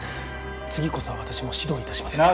次こそは私も指導いたしますから。